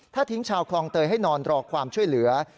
ถ้าทิ้งชาวคลองเตยให้นอนรอความช่วยเหลือ